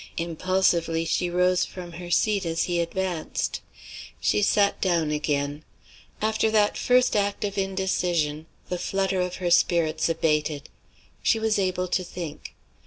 Impulsively she rose from her seat as he advanced. She sat down again. After that first act of indecision, the flutter of her spirits abated; she was able to think.